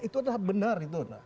itu adalah benar